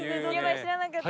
知らなかった。